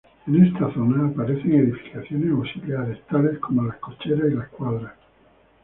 En esta zona aparecen edificaciones auxiliares, tales como las cocheras y las cuadras.